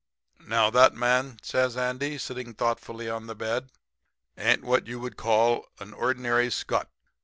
"'Now, that man,' says Andy, sitting thoughtfully on the bed, 'ain't what you would call an ordinary scutt.